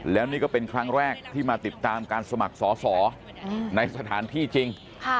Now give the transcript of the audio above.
แล้วนี่ก็เป็นครั้งแรกที่มาติดตามการสมัครสอสอในสถานที่จริง